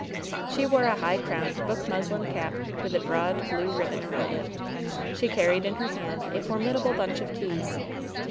She wore a high crowned, book muslin cap, with a broad, blue ribbon around it. She carried in her hand a formidable bunch of keys.